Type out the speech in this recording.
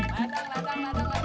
ledang ledang ledang